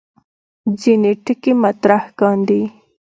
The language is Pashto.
ځینې ټکي مطرح کاندي.